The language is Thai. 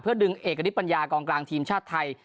ดึงเอกณิตปัญญากองกลางทีมชาติไทย